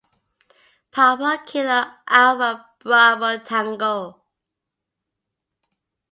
papa kilo alfa bravo tanggo